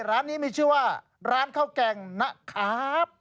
ร้านนี้มีชื่อว่าร้านข้าวแกงนะครับ